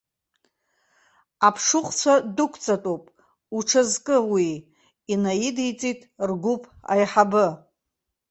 Аԥшыхәцәа дәықәҵатәуп, уҽазкы уи, инаидиҵеит ргәыԥ аиҳабы.